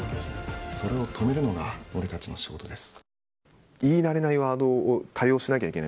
それを止めるのが俺たちの仕事です。